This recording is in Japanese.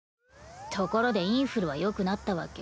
ところでインフルはよくなったわけ？